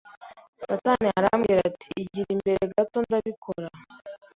Satani arambwira ati igira imbere gato ndabikora,